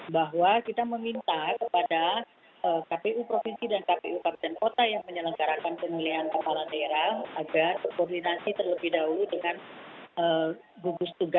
bahwa kita meminta kepada kpu provinsi dan kpu kabupaten kota yang menyelenggarakan pemilihan kepala daerah agar berkoordinasi terlebih dahulu dengan gugus tugas